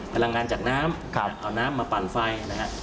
พลังงานจากน้ำเอาน้ำมาปั่นไฟนะฮะ